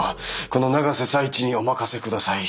この永瀬財地にお任せください。